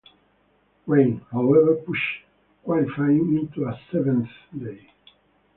Rain, however, pushed qualifying into a seventh day.